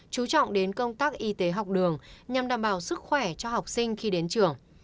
chú trọng đến công tác y tế học đường nhằm đảm bảo sức khỏe cho học sinh khi đến trường